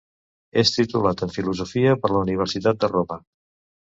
És titulat en filosofia per la Universitat de Roma.